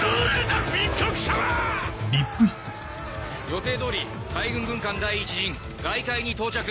予定どおり海軍軍艦第一陣外海に到着。